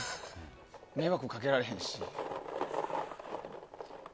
迷惑かけられへんし。